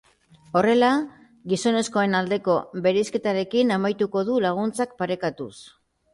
Horrela, gizonezkoen aldeko bereizketarekin amaituko du laguntzak parekatuz.